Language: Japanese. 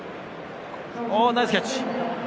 ナイスキャッチ！